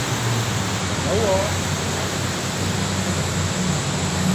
Fan no ôf sil hy myn begelieder wêze.